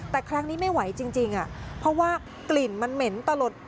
แต่ครั้งนี้ไม่ไหวจริงเพราะว่ากลิ่นมันเหม็นตลด